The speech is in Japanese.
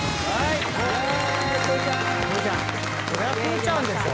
そりゃくぅちゃんでしょ。